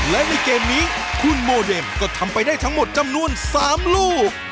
และในเกมนี้คุณโมเดมก็ทำไปได้ทั้งหมดจำนวน๓ลูก